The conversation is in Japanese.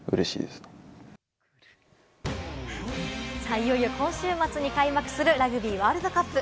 いよいよ今週末に開幕するラグビーワールドカップ。